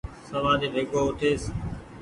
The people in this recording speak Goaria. سوآري ويڳو اُٺيس۔